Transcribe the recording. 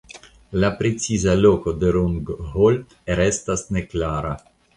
La preciza loko de Rungholt restas neklara.